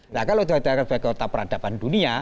nah kalau diadakan sebagai kota peradaban dunia